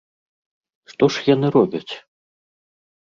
Што ж яны робяць?